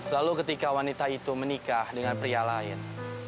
lalu ketika wanita itu menikah dengan pria lain